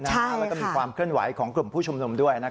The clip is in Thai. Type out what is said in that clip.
แล้วก็มีความเคลื่อนไหวของกลุ่มผู้ชุมนุมด้วย